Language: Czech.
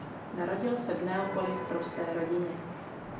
Narodil se v Neapoli v prosté rodině.